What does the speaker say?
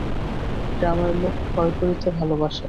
গ্রামের লোক ভয় করিতে ভালোবাসে।